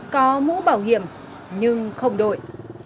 có mũ bảo hiểm nhưng không đổi